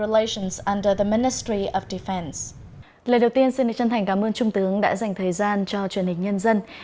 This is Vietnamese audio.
lời đầu tiên xin chân thành cảm ơn trung tướng đã dành thời gian cho truyền hình nhân dân